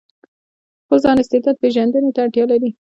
د خپل ځان استعداد پېژندنې ته اړتيا لري.